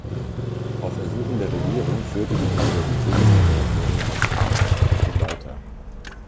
Auf Ersuchen der Regierung führte die Universität das Laboratorium als öffentliche Einrichtung weiter.